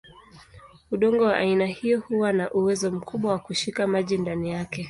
Udongo wa aina hiyo huwa na uwezo mkubwa wa kushika maji ndani yake.